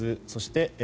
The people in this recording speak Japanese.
そして